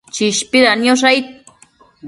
Chishpida niosh aid